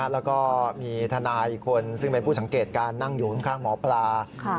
แล้วก็มีทนายอีกคนซึ่งเป็นผู้สังเกตการนั่งอยู่ข้างหมอปลา